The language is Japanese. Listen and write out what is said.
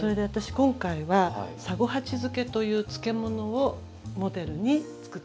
今回は「三五八漬け」という漬物をモデルに作ってみたんです。